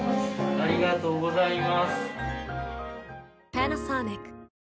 ありがとうございます。